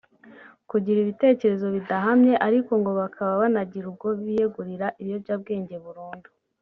kugira ibitekerezo bidahamye ariko ngo bakaba banagira ubwo biyegurira ibiyobyabwenge burundu